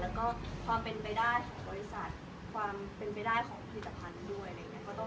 แล้วก็ความเป็นไปได้ของบริษัทความเป็นไปได้ของผลิตภัณฑ์ด้วย